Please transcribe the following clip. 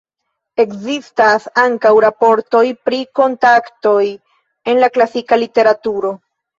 Ekzistas ankaŭ raportoj pri kontaktoj en la klasika literaturo.